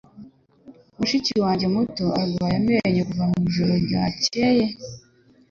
Mushiki wanjye muto arwaye amenyo kuva mwijoro ryakeye.